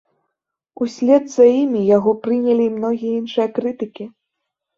Услед за імі яго прынялі і многія іншыя крытыкі.